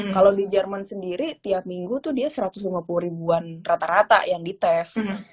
kalau di jerman sendiri tiap minggu tuh dia satu ratus lima puluh ribuan rata rata yang dites